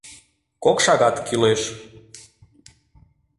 — Кок шагат кӱлеш.